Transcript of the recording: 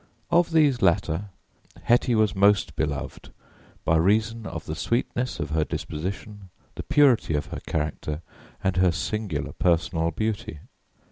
Of these latter, Hetty was most beloved by reason of the sweetness of her disposition, the purity of her character and her singular personal beauty.